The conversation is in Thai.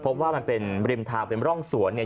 พบว่ามันเป็นริมทางเป็นร่องสวนเนี่ย